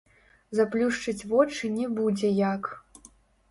Заплюшчыць вочы не будзе як.